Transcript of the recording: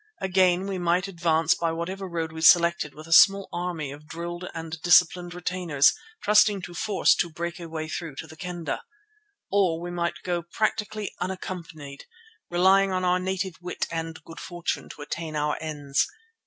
Again, we might advance by whatever road we selected with a small army of drilled and disciplined retainers, trusting to force to break a way through to the Kendah. Or we might go practically unaccompanied, relying on our native wit and good fortune to attain our ends.